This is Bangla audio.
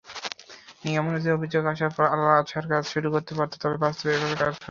নিয়মানুযায়ী অভিযোগ আসার পর আল-আজহার কাজ শুরু করতে পারত, তবে বাস্তবে এভাবে কাজ হত না।